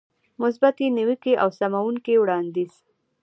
مثبتې نيوکې او سموونکی وړاندیز.